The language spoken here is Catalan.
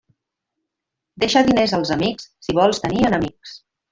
Deixa diners als amics si vols tenir enemics.